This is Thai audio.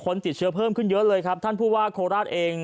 ติดเชื้อเพิ่มขึ้นเยอะเลยครับท่านผู้ว่าโคราชเอง